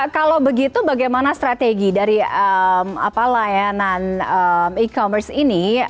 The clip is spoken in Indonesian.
kalau begitu bagaimana strategi dari layanan e commerce ini